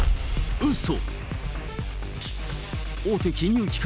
うそ。